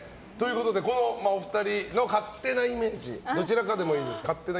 このお二人の勝手なイメージどちらかでもいいです。